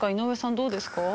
どうですか？